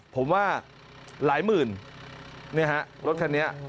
ผมว่าหลายหมื่นรถท่านนี้